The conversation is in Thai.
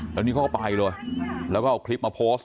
แล้วนี่เขาก็ไปเลยแล้วก็เอาคลิปมาโพสต์